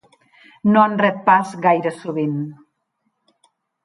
No en rep pas gaire sovint.